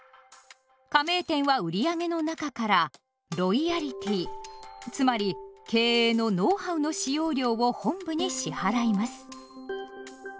加盟店は売り上げの中から「ロイヤリティ」つまり経営のノウハウの使用料を本部に支払います。